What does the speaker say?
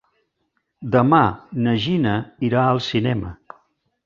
Demà na Gina irà al cinema.